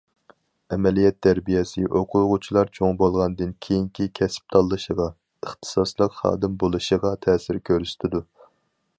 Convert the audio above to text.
ئەمەلىيەت تەربىيەسى ئوقۇغۇچىلار چوڭ بولغاندىن كېيىنكى كەسىپ تاللىشىغا، ئىختىساسلىق خادىم بولۇشىغا تەسىر كۆرسىتىدۇ.